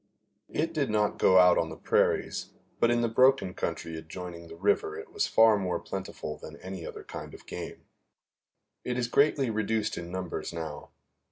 It did not go out on the prairies, but in the broken country adjoining the river it was far more plentiful than any other kind of game. It is greatly reduced in numbers now.